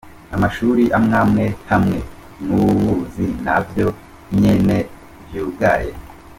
Amashule amwamwe hamwe n'ubuzi navyo nyene vyugaye.